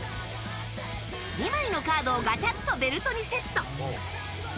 ２枚のカードをガチャっとベルトにセット！